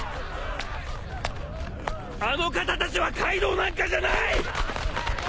あの方たちはカイドウなんかじゃない！